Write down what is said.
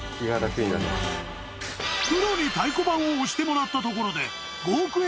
［プロに太鼓判を押してもらったところで５億円